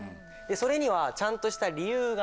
それにはちゃんとした。